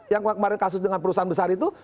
yang kemarin kasus dengan perusahaan besar itu